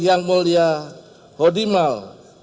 yang mulia hodimal